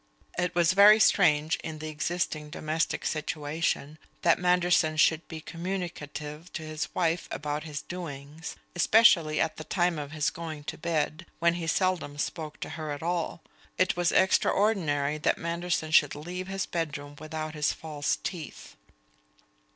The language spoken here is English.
It was very strange, in the existing domestic situation, that Manderson should be communicative to his wife about his doings, especially at the time of his going to bed, when he seldom spoke to her at all. It was extraordinary that Manderson should leave his bedroom without his false teeth.